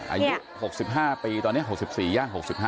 อ่าอายุ๖๕ปีตอนนี้๖๔หรือ๖๕